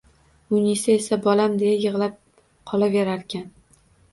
Munisa esa Bolam, deya yig`lab qolaverarkan